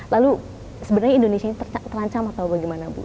lalu sebenarnya indonesia ini terancam atau bagaimana bu